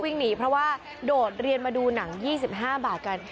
วิ่งหนีเพราะว่าโดดเรียนมาดูหนัง๒๕บาทกัน